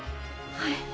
はい。